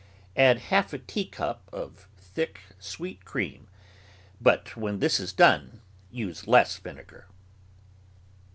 Add half a teacup of thick, sweet cream, but when this is done use less vinegar.